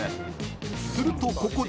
［するとここで］